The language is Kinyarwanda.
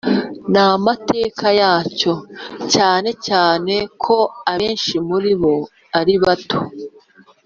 n'amateka yacyo, cyane cyane ko abenshi muri bo ari bato,